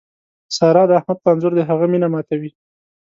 سارا د احمد په انځور د هغه مینه ماتوي.